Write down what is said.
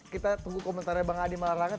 kita tunggu komentarnya bang adi malaranget